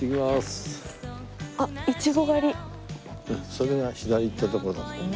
それが左行った所だと思う。